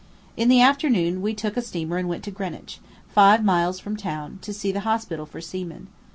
In the afternoon we took steamer and Went to Greenwich, five miles from town, to see the Hospital for Seamen.